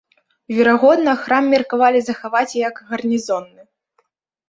Верагодна, храм меркавалі захаваць як гарнізонны.